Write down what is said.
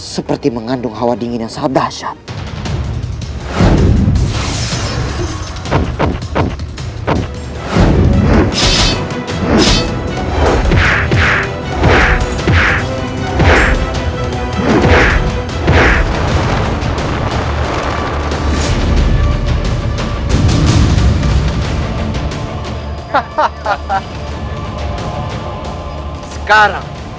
seperti mengandung hawa dingin yang sahabat asyad